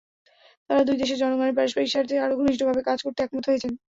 তাঁরা দুই দেশের জনগণের পারস্পরিক স্বার্থে আরও ঘনিষ্ঠভাবে কাজ করতে একমত হয়েছেন।